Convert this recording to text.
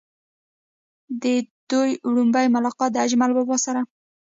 د دوي وړومبے ملاقات د اجمل بابا سره